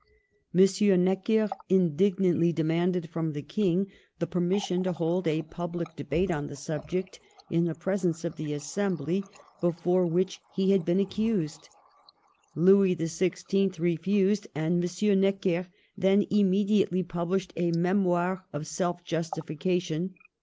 M. Necker indignantly demanded from the King the permis sion to hold a public debate on the subject, in the presence of the Assembly before which he had been accused. Louis XVI. refused ; and M. Necker then immediately published a memoir of self j ustification.